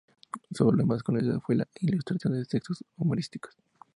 Su labor más conocida fue la ilustración de textos humorísticos.